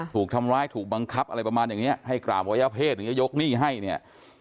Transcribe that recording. ถูกทำร้ายถูกบังคับอะไรประมาณอย่างนี้ให้กราบไว้เอาเพศยกหนี้ให้